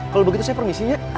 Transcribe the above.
kalo begitu saya permisi nya